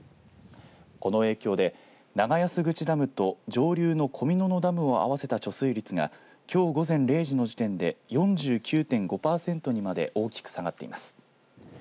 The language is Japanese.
この影響で長安口ダムと上流の小見野々ダムを合わせた貯水率がきょう午前０時の時点で４９．５パーセントにまで大きく下がっています。